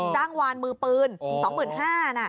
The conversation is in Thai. จ้างวานมือปืน๒๕นะ